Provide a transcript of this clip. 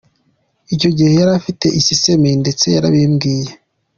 Icyo gihe yari afite isesemi ndetse yarabimbwiye.